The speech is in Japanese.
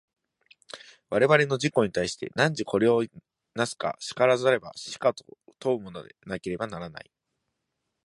我々の自己に対して、汝これを為すか然らざれば死かと問うものでなければならない。